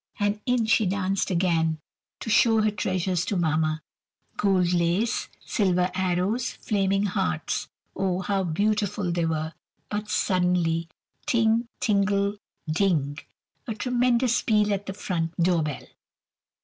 And in she danced again, to show her treasures to Mamma. Gold lace, silver arrows, flaming hearts! oh, how beautiful they were! But suddenly—ting! tingle! ding! a tremendous peal at the front door bell.